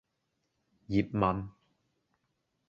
葉問